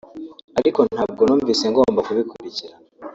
Ariko ntabwo numvise ngomba kubikurikirana